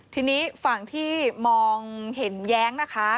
ทีนี้ฝั่งที่มองเห็นแย้งนะคะ